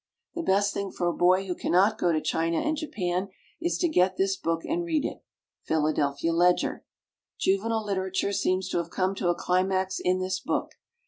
_ The best thing for a boy who cannot go to China and Japan is to get this book and read it. Philadelphia Ledger. Juvenile literature seems to have come to a climax in this book.